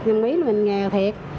mình nghĩ là mình nghèo thiệt